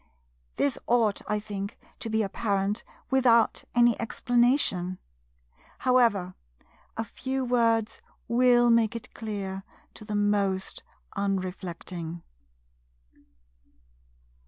This ought, I think, to be apparent without any explanation. However, a few words will make it clear to the most unreflecting.